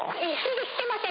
してません。